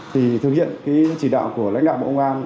thì thực hiện cái chỉ đạo của lãnh đạo bộ ngoan